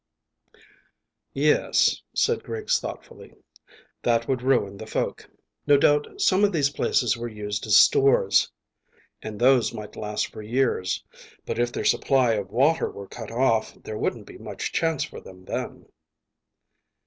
"Yes," said Griggs thoughtfully; "that would ruin the folk. No doubt some of these places were used as stores, and those might last for years; but if their supply of water were cut off there wouldn't be much chance for them then."